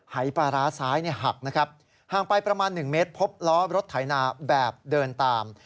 หายปลาร้าซ้ายหักนะครับห่างไปประมาณ๑เมตรพบล้อรถไถนาแบบเดินตาม